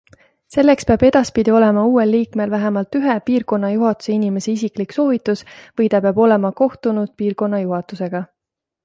Selleks peab edaspidi olema uuel liikmel vähemalt ühe piirkonna juhatuse inimese isiklik soovitus või ta peab olema kohtunud piirkonna juhatusega.